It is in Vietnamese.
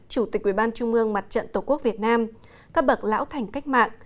chủ tịch ubnd mặt trận tổ quốc việt nam các bậc lão thành cách mạng